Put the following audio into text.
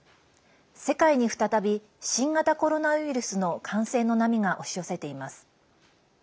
世界に再び新型コロナウイルスの感染の波が押し寄せています。